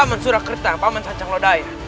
paman surakerta paman sancang lodaya